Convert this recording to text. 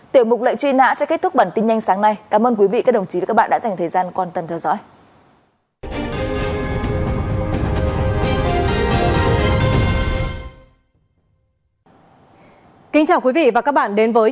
tiểu mục lệnh truy nã sẽ kết thúc bản tin nhanh sáng nay cảm ơn quý vị các đồng chí và các bạn đã dành thời gian quan tâm theo dõi